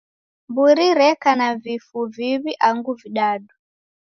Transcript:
Mburi reka na vifu viw'i angu vidadu?